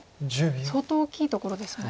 相当大きいところですよね